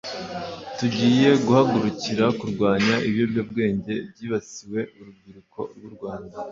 tugiye guhagurukira kurwanya ibiyobyabwenge byibasiye urubyiruko rw’u Rwanda”